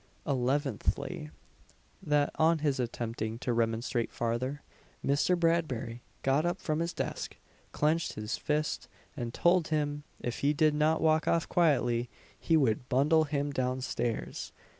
Eleventhly, that, on his attempting to remonstrate farther, Mr. Bradbury got up from his desk, clenched his fist, and told him if he did not walk off quietly, he would "bundle him down stairs."